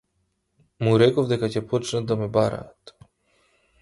Му реков дека ќе почнат да ме бараат.